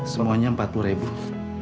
semuanya empat puluh ribu